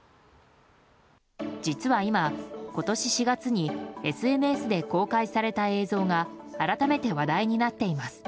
実は今、今年４月にＳＮＳで公開された映像が改めて、話題になっています。